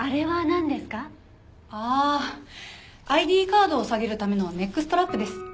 ＩＤカードを下げるためのネックストラップです。